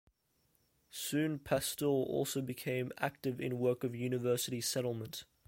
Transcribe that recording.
Soon Pastor also became active in work of University Settlement.